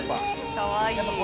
かわいい。